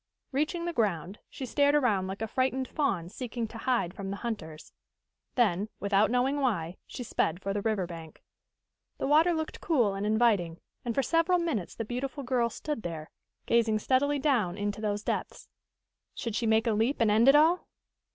Reaching the ground, she stared around like a frightened fawn seeking to hide from the hunters. Then, without knowing why, she sped for the river bank. The water looked cool and inviting, and for several minutes the beautiful girl stood there, gazing steadily down into those depths. Should she make a leap and end it all?